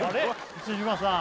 満島さん